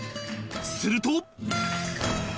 すると。